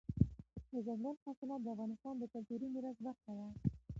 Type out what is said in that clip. دځنګل حاصلات د افغانستان د کلتوري میراث برخه ده.